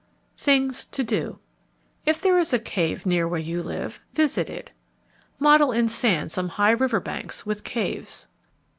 THINGS TO DO If there is a cave near where you live, visit it. _Model in sand some high river banks with caves.